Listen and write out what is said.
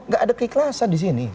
gak ada keikhlasan disini